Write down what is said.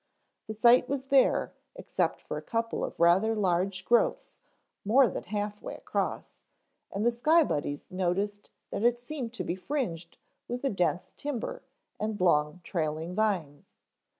The site was bare except for a couple of rather large growths more than half way across, and the Sky Buddies noticed that it seemed to be fringed with a dense timber and long trailing vines.